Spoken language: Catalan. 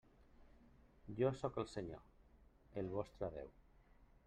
Jo sóc el Senyor, el vostre Déu.